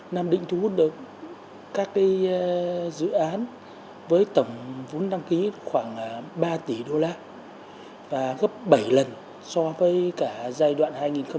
nam định thu hút được các dự án với tổng vốn đăng ký khoảng ba tỷ đô la và gấp bảy lần so với cả giai đoạn hai nghìn một mươi sáu hai nghìn hai mươi